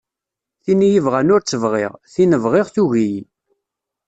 Tin i y-ibɣan ur tt-bɣiɣ, tin bɣiɣ tugi-yi.